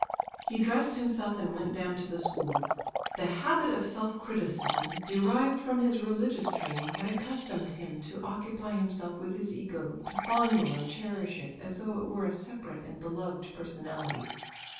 He dressed himself and went down to the school. The habit of self criticism derived from his religious training had accustomed him to occupy himself with his ego, to fondle and cherish it, as though it were a separate and beloved personality.